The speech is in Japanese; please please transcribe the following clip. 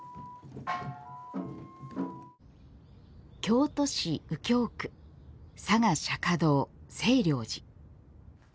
京都市右京区嵯峨釈迦堂・清凉寺。